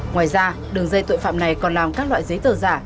ngoài ra đường dây tội phạm này còn làm các loại giấy tờ giả